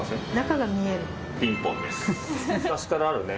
昔からあるね